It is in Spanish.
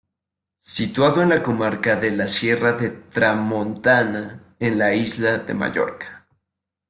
Situado en la comarca de la Sierra de Tramontana en la isla de Mallorca.